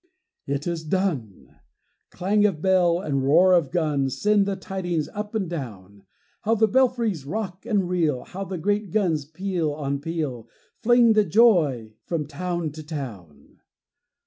It is done! Clang of bell and roar of gun Send the tidings up and down. How the belfries rock and reel! How the great guns, peal on peal, Fling the joy from town to town!